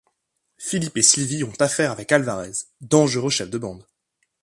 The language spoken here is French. Philippe et Sylvie ont à faire avec Alvarez, dangereux chef de bande.